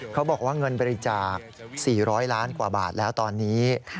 เขาบอกว่าเงินบริจาค๔๐๐ล้านกว่าบาทแล้วตอนนี้